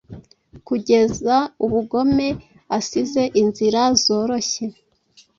Kugeza umugome asize inzira zoroshye